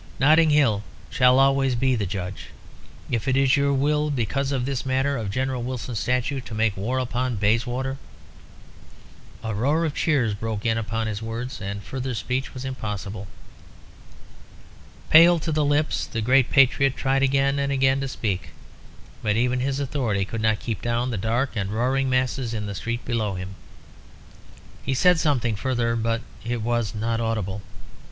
Notting Hill shall always be the judge. If it is your will because of this matter of General Wilson's statue to make war upon Bayswater " A roar of cheers broke in upon his words, and further speech was impossible. Pale to the lips, the great patriot tried again and again to speak; but even his authority could not keep down the dark and roaring masses in the street below him. He said something further, but it was not audible.